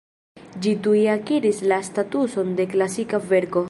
Ĝi tuj akiris la statuson de klasika verko.